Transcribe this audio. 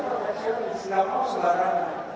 kalau di sini apa itu barang